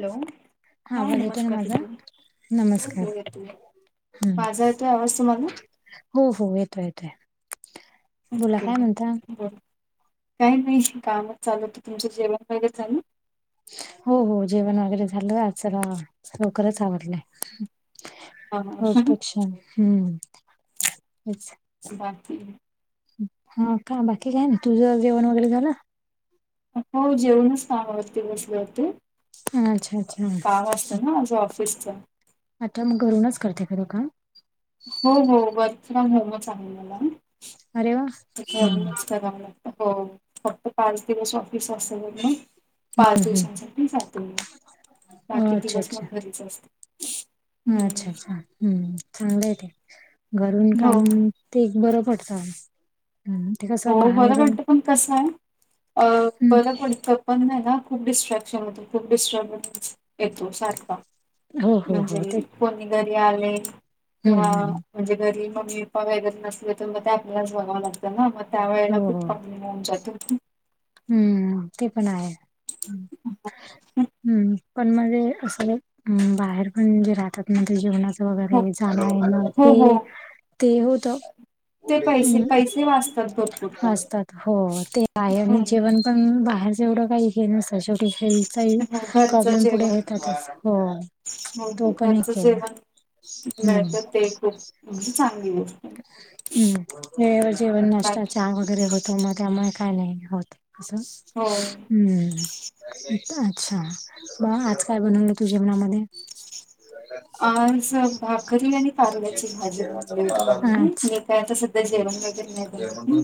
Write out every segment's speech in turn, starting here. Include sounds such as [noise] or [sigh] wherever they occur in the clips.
Hello! हा आवाज येतोय ना नमस्कार माझा [unintelligible] कोण नमस्कार बोलत तुम्ही? हम्म माझा येतोय आवाज तुम्हाला? हो हो येतोय येतोय. बोला के काय म्हणता बर काही नाही कामच चालूत तुमचं जेवण वगैरे झालं. हो हो जेवण वगैरे झालं आ लवकरच आवडलंय. हा रोजपेक्षा हम्म हेच. बाकी हा का बाकी काय ना तुझं जेवण वगैरे झालं. हो जेवणच कामावरती बसले होते. अच्छा अच्छा काम असतं ना माझं ऑफिसच आता मग घरूनच करते का ग काम. हो हो वर्क फ्रॉम होमच चालू झालाय ना. अरे वा. त घर हम्म नच करा लागत हो फक्त पाच दिवस ऑफिस असल ना. पाच हम्म दिवसांसाठी जाते मी बाकी हम्म अच्छा दिवस अच्छा मग घरीच असते. हम्म. अच्छा अच्छा हम्म चांगलं आहे ते घरून हो काम. ते एक बरं पडतात. हो मला वाटत पण कसं आहे अ हम्म बर वाटत. पण नाही ना खूप डिस्ट्रॅक्शन होतं खूप डिस्टॅमेंट. येतो सारखा हो हो हो ते म्हणजे कोणी घरी आले हम्म किंवा. हम्म हम्म. म्हणजे घरी मम्मी पप्पा वगरे नसले तर मग ते आपल्यालाच बघां लागतं ना मग त्या वेळेला हो हो खूप कमी. होऊन जत. हम्म ते पण आहे हम्म. पण म्हणजे अस बाहेर पण जे राहतात ना ते जेवणाच. हो वगैरे जा ना हो हो ते ते होत. ते पैसे पैसे हम्म वाचतात भरपूर पण असतात हो ते आहे हो आणि जेव्हा. पण बाहेरच एवढं काही हे न शेवटी. हे [unintelligible] हो घरचं प्रॉब्लेम जेवण पुढेेतात हो तो हो पण घरचं एक आहे जेवण हम्म मॅटर ते खूप चांगली गोष्ट. आहे. हम्म हे जेवणनाष्टता बाकी चहा वगैरे होतो मग त्यामुळे. काय नाही होते असं. हो हम्म अच्छा ब आज काय बनवलं तू जेवणामध्ये. अच्छा [inaudible] आज भाकरी आणि तारुड्याची भाजी. अच्छा कायता सध्या जेवण वगैरे नाही बनवते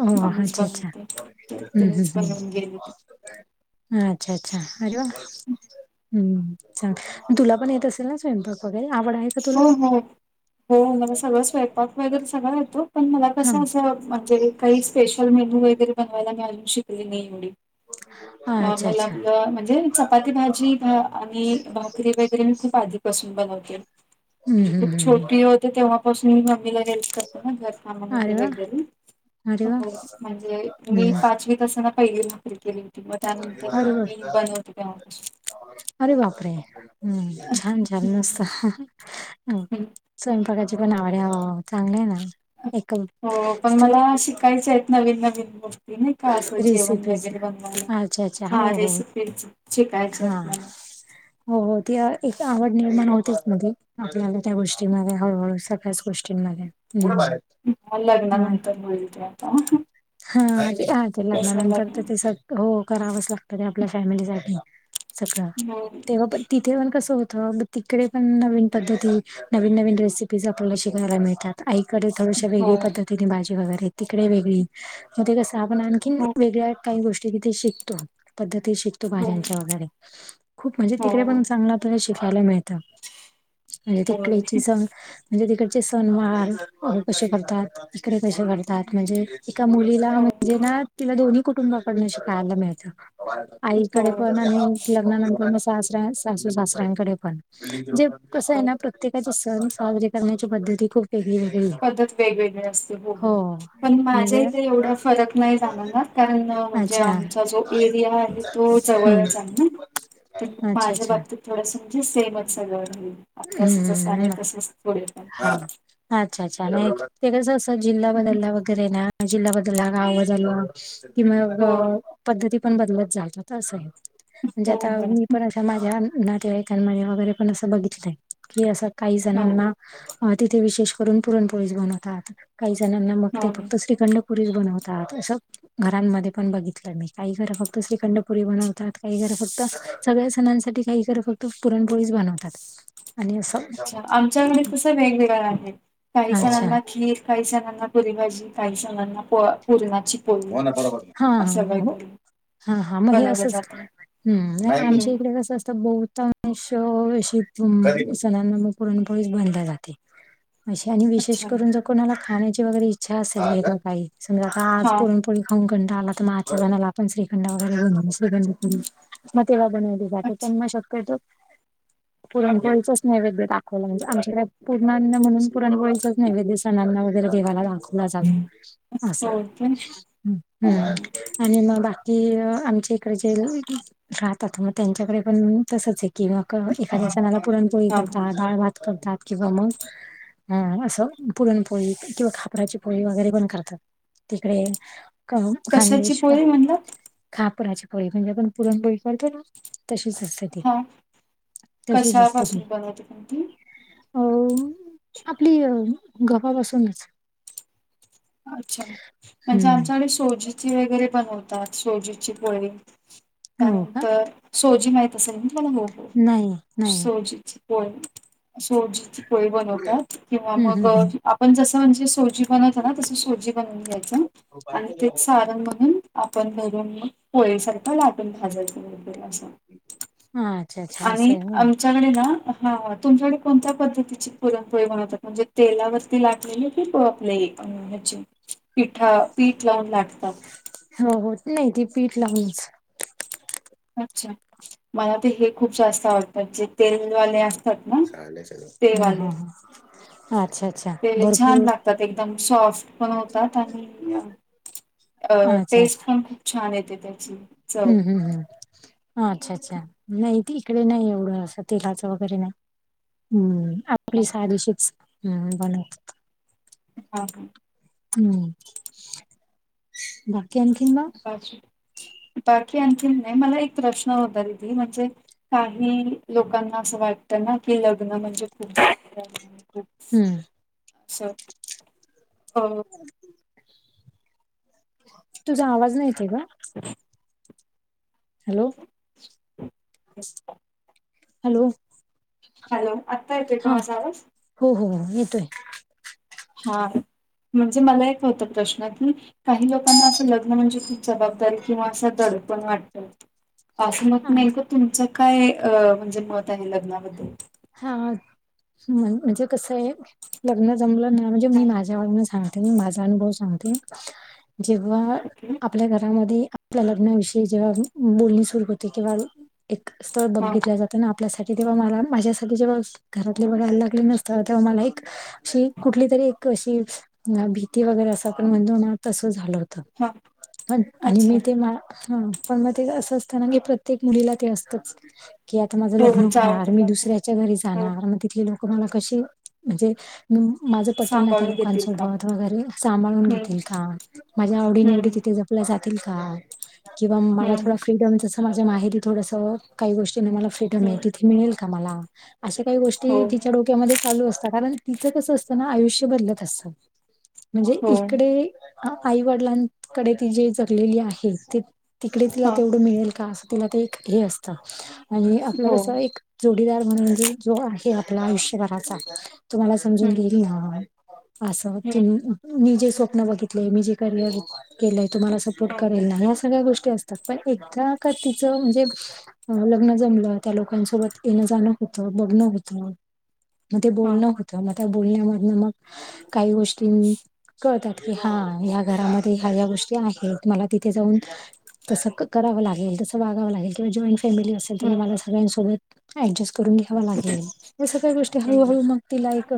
ओह! कमीच अच्छा, अच्छा. बनवते. त्यांनीच बनवून गेल्यात. हा अच्छा अच्छा अरे वा. हम्म चांग तुला पण येत असेल ना स्वयंपाक वगैरे आवड आहे. का तुला? हो हो हो, मला सगळं स्वयंपाक. त्याच्यात सगळ येतो पण मला कस हां. अस म्हणजे काही स्पेश. मला मेनू वगैर बनवायला म आजून शिकली नाही एवढी. हो [inaudible] मला आपलं म्हणजे चपाती भाजी भा आणि भाकरी वगैरे मी खूप आधी. पासून बनवते हं, म्हणजे हं, खूप हं, हं. छोटी होते तेव्हापासून मम्मीला. अरे वाह! अरे वाह! हं. [unintelligible] तस ना पहिली भाकरी केली होती मग त्यानंतर अरे मग मी वाह! बनवते तेव्हा पासून. अरे बापरे हम्म छान छान हं, मस्त. ह हं. स्वयंपाकाची पण आवडे चांगली आहे ना. एक हो पण मला शिकायच आहेत नवीन नवीन गोष्टी. ते नाही का असं जेवण रेसिपीज. वगैरे बनवायला, अच्छा, अच्छा. हा हो, हो. रेसिपीच हां. शिकायच्यात मला. [unintelligible] हो हो, ती एक आवड निर्माण होतेच मध्ये, आपल्याला त्या गोष्टीमध्ये हळूहळू सगळ्याच गोष्टींमध्ये. हम्म. मला लग्नानंतर मिळते आता. हा, हा ते तसं लग्नानंतर लग्न तर ते सग हो करावंच लागतं ते आपल्या फॅमिलीसाठी. सगळं, हो, तेव्हा पण तिथे पण कसं होतं तिकडे पण नवीन पद्धती नवीन नवीन रेसिपीज आपल्याला शिकायला मिळतात. आईकडे थोडशा हो, वेगळी पद्धतीने भाजी वगैरे तिकडे वेगळी. मग ते कसं आपण आणखीन हो, वेगळ्या काही गोष्टी तिथे शिकतो. पद्धती शिकतो हो, भाज्यांच्या वगैरे, खूप म्हणजे हो, तिकडे पण चांगला पणे शिकायला मिळतं, म्हणजे होय. तिथल्यांची स म्हणजे तिकडचे सनवार कसे करतात, इकडे कसे करतात म्हणजे एका मुलीला हो, म्हणजे ना तिला दोन्ही कुटुंबाकडनं शिकायला मिळतं. आईकडे हो, पण आणि लग्नानंतर म सासऱ्या सासू सासऱ्यांकडे पण, जे कसं आहे हो. ना प्रत्येकाचे सण साजरे करण्याच्या पद्धती खूप वेगळी वेगळी आहे, पद्धत वेगवेगळी असते हो. पण माझ्या म्हणजे, इथे एवढा फरक नाही जाणवणार कारण म्हणजे अच्छा. आमचा जो एरिया आहे तो हम्म. जवळच आहे ना. पण अच्छा माझ्या अच्छा बाबतीत थोडंस म्हणजे सेमच सगळं झालंय, आताचं जसं आहे हम्म तसंच पुढे पण. हा अच्छा अच्छा, नाही ते कसं असं जिल्हा बदलला वगैरे ना, जिल्हा बदलला गाव बदललं कि मग हो अ पद्धती पण बदलत जातात असंय, म्हणजे हो आता हो मी पण ता माझ्या नातेवाईकांमध्ये वगैरे पण असं बघितलंय, कि असं काही हा जणांना अ तिथे विशेष करून पुरणपोळीच बनवतात, काही जणांना मग हा ते फक्त श्री खंड पुरीच बनवतात, असं घरांमध्ये पण बघितलं मी, काही घरं फक्त श्रीखंडपुरी बनवतात काही घरं फक्त सगळ्या सणांसाठी काही घरं फक्त पुरणपोळीच बनवतात, आणि असं अच्छा, आमच्याघरी कसं वेगवेगळं आहे, काही अच्छा जणांना खीर काही जणांना पुरी भाजी काही जणांना प पुरणाची पोळी. हा असं हा, हो वगैरे हा हा मग हे बनवलं असंच, जातं हम्म नाय आमच्या हम्म इकडे कसं असतं बहुता श अस पुन, सणांना मग पुरणपोळीच बनलं जाते. अशी आणि विशेष अच्छा करून जर कोणाला खाण्याची वगैरे इच्छा असेल काही समज आता आज हा पुरणपोळी खाऊन कंटाळ आला तर म आचाऱ्याला आपण श्रीखंड वगैरे [unintelligible] म तेव्हा बनवली जाते, अच्छा पण म शक्यतो [inaudible] पुरणपोळीचाच नैवेद्य दाखवला, म्हणजे आमच्याकडे पूर्णान्न म्हणून पुरणोळीचाच नैवेद्य सणांना वगैरे देवाला दाखवला जात असं, हो काय हम्म. हा आणि मग बाकी अ आमच्या इकडेचे राहतात मग त्यांच्याकडे पण तसंच आहे, की म इकडच्या सणाला पुरणपोळी हा. इकडचा डाळ भात करतात किंवा मग हा असं पुरणपोळी किंवा खापराची पोळी वगैरे पण करतात. तिकडे क कशाची खानदेशव् पोळी म्हणलात? खापराची पोळी म्हणजे आपण पुरणपोळी करतो ना तशीच असते ते. हा तशीच असते ती. कशापासून बनवते कोणती? अ आपली गव्हापासूनच. अच्छा, म्हणजे हम्म आमच्याकडे सोजी वगैरे बनवतात. सोजीची पोळी. हो का त्यानंतर सोजी माहीत असेल ना तुम्हाला. हो हो. नाही नाही सोजीची होय. सोजीची. पोळी बनवतात. किंवा हम्म मग आपण जस म्हणजे सोजी ब तस सोजी बनवून घ्यायच. आणि ते सारण म्हणून आपण भरून पोळीसारखं लाटून भाजायच. [unintelligible] असं. ह. अच्छा अच्छा. आणि असं आहे हो आमची आमच्या कडे ना, ह तुमच्याकडे कोणत्या पद्धतीची पुरणपोळी बनवतात. म्हणजे तेलावर ती लाटलेले की ब आपली ह्याची. पिठा पीठ लावून लाटतात. हो हो. नाही. ते पीठ लावूनच. अच्छा, मला ते हे खूप जास्त आवडतात. जे तेलवाले असतात ना, ह तेवाले. ह अच्छा अच्छा. ते छान भरपूर लागतात. एकदम सॉफ्ट पण होतात. आणि अ अच्छा अच्छा टेस्ट पण खूप छान येते त्याची. च हम्म हम्म हम्म. अच्छा अच्छा, नाही ते इकडे नाही एवढं. असं तेलाचं वगैरे नाही. हम्म आपली हां साधशीच. हम्म बनव हा ह. हम्म. बा की आणखीन म? बाकी बाकी आणखीन नाही. मला एक प्रश्न होता दिदी. म्हणजे काही लोकांना असं वाटतं ना की, लग्न म्हणजे खूप जबाबदाऱ्या [unintelligible] हम्म. अस हो. तुझा आवाज नाही येते ग. ह [inaudible] हॅलो. [inaudible] हॅलो. हॅलो. आत्ता येतोय का हा माझ आवाज? हो हो हो. येतोय. हा, म्हणजे मला एक होतं प्रश्न की, काही लोकांना असं लग्न म्हणजे खूप जबाबदारी. किंवा अस दडपण वाटत. असं मत, हा नेमक तुमचं काय अ म्हणजे मत आहे. लग्नाबद्दल? ह ह. म म्हणजे कसंये. लग्न जमलं ना म्हणजे मी हा, माझ्यावरन सांग ते. माझा अनुभव सांगते. जेव्हा ओके आपल्या घरामध्ये आपल्या लग्नाविषयी जेव्हा बोलणी सुरू होते. किंवा एक स्थळ हा बघितल्या जात. आपल्यासाठी. तेव्हा, मला माझ्यासाठी जेव्हा घरातले बघायला लागले ना स्थळ तेव्हा मला एक अशी कुठली तरी एक अशी, भीती वगैरे असं आपण म्हणतो ना तसं झालं होत. हा पण आणि अच्छा मी ते मा -ह. पण मग ते असं असतं ना की, प्रत्येक मुलीला ते असतंच. की आता माझं हो लग्न हो जावं होणार. तर मी लागतं दुसऱ्या हो तिथले लोक मला कशी म्हणजे मी माझं पटेल ना आता सांभाळून घेतील का लोकांसोबत वगैरे सांभाळून हम्म घेतील का माझ्या आवडी निवडी हम्म तिथे जपल्या जातील का किंवा मला थोड हम्म फ्रीडम जस माझ्या माहेरी थोडस काही गोष्टीने मला फ्रीडम आहे हम्म तिथे मिळेल का मला. अशा काही हो गोष्टी तिच्या डोक्यामध्ये चालू असतात कारण तिचं कसं असतं ना आयुष्य बदलत असतं. म्हणजे हो इकडे आईवडिलांकडे ती जी जगलेली आहे ती तिकडे तिला हा तेवढं मिळेल का अस तिला ते एक हे असतं आणि आपलं हो कस एक जोडीदार म्हणजे जो आहे आपला आयुष्यभराचा तो मला समजून हम्म घेईल ना असं, की हम्म मी जे स्वप्न बघितले मी जे करियर केलंय, तुम्हाला सपोर्ट हा करेल ना या सगळ्या गोष्टी अस पण एकदा का तिचं म्हणजे लग्न जमलं त्या लोकांसोबत येणं जाणं होत, बघणं होत मग ते हा बोलणं होतं मग त्या बोलण्यामधनं मग काही गोष्टीन कळतात. की हा ह्या घरामध्ये ह्या ह्या गोष्टी आहेत. मला तिथे जाऊन तसं करावं लागेल तसं वागाव लागेल किंवा जॉईन फॅमिली असेल हम्म मला सगळ्यांसोबत ऍडजस्ट करून घ्यावा लागेल या सगळ्या गोष्टी हम्म हळूहळू मग तिला एक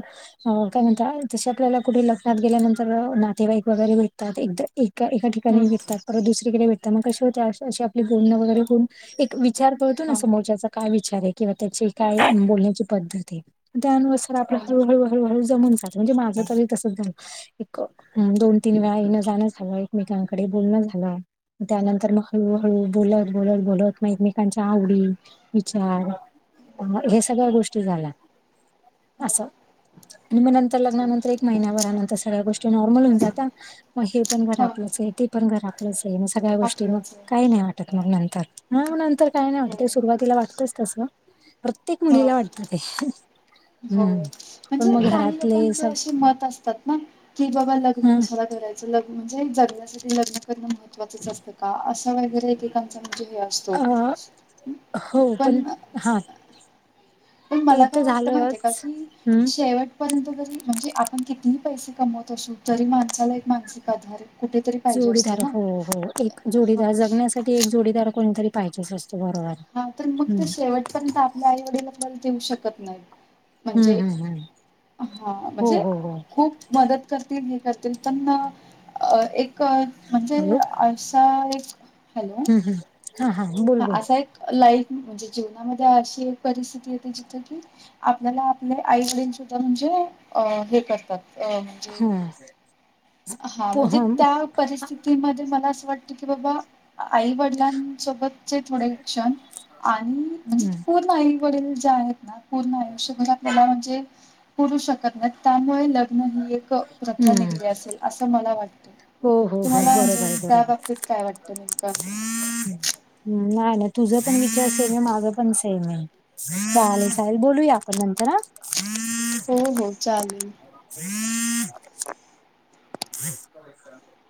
काय म्हणता, जस आपल्याला कुठे लग्नात गेल्यानंतर नातेवाईक वगैरे भेटतात एकदा एका ठिकाणी हम्म भेटतात. परत दुसरीकडे भेटतात. मग कस होतात मग आपलं बोलणं वगैरे होऊन एक विचार करतो ना हा समोरच्याचा काय विचार आहे किंवा त्याची काय बोलण्याची पद्धत हे. त्यानुसार आपलं हा हळूहळू हळूहळू जमून जातं म्हणजे माझं तरी तसंच झालय. एक दोन, तीन वेळा येणं जाणं झालं एकमेकांकडे बोलणं झालं. त्यानंतर मग हळूहळू बोलत बोलत बोलत मग एकमेकांच्या आवडी विचार हे सगळ्या गोष्टी झाल्या हा असं आणि मग नंतर अच्छा लग्नानंतर एक महिन्याभरानंतर सगळ्या गोष्टी नॉर्मल होऊन जात्या मग हे पण घर हा आपलंच हे ते पण घर आपलंच हे मग सगळ्या गोष्टी मग आपलंच आहे काही नाही वाटत मग नंतर. हा नंतर काय नाही वाटत हो ते सुरुवातीला वाटतच तसं प्रत्येक हा मुलीला वाटतं ते. हो. हम्म म्हणजे पण मग काही घरातले लोकांचे सग असे मत असतात ना की बाबा लग्न कशाला कराय लग्न जे म्हणजे जगण्यासाठी लग्न करणं महत्वाचंच असतं का असं वगैरे एक एकाच म्हणजे हे असत. अ [unintelligible] हो पण हा पण ते मला काय तर वाटतं माहितीय का झालंच की हम्म शेवट परंतु जरी म्हणजे आपण कितीही पैसे कमवत असू तरी माणसाला एक मानसिक आधार हे. जोडीदार हो हो एक हा जोडीदार जगण्यासाठी एक जोडीदार कोणीतरी पाहिजेच असतो बरोबर. नंतर मग हम्म ते शेवटपर्यंत आपल्या आई वडील आपल्याला देऊ शकत नाहीत. हम्म म्हणजे हम्म हम्म हा हो म्हणजे हो हो खूप मदत करतील हे करतील पण एक क म्हणजे हॅलो असा एक हॅलो ह ह हां हां. हा असा एक लाईफ म्हणजे जीवनामध्ये अशी एक परिस्थिती येते जिथं की आपल्याला आपले आई वडील सुद्धा म्हणजे अ हे करतात. अ म्हणजे हा हा पो म्हणजे त्या हम्म परिस्थितीत की म्हणजे मला असं वाटतं की बाबा आई-वडिलांच चे थोडे क्षण आणि म्हणजे पूर्ण आई-वडील जे आहेत ना पूर्ण आयष्यभर आपल्याला म्हणजे पुरू शकत नाही त्यामुळे लग्न ही एक प्रथा हम्म. निघली असेल असं मला वाटतं. हो हो हो तुम्हाला बरोबर म्हणजे आहे त्या बरोबर बाबतीत काय वाटतं नेमकं असं? हम्म नाय नाय, तुझं पण विचार सेम ए माझं पण सेम हाय चालेल चालेल, बोलूया आपण नंतर हं. हो हो चालेल. [inaudible]